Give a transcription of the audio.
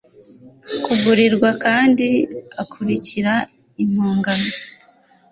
kugurirwa kandi akurikira impongano